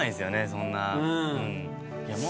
そんな。